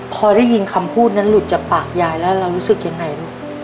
พอได้ยินคำพูดนั้นหลุดจากปากยายแล้วเรารู้สึกยังไงลูก